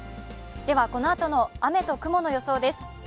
では、このあとの雨と雲の予想です。